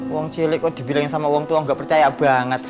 wong cilik kok dibilangin sama uang tua nggak percaya banget